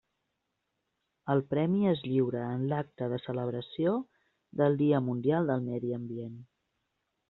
El premi es lliura en l'acte de celebració del Dia Mundial del Medi Ambient.